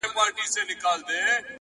هلته پاس چي په سپوږمـۍ كــي،